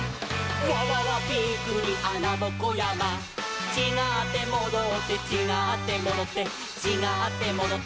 「わわわびっくりあなぼこやま」「ちがってもどって」「ちがってもどってちがってもどって」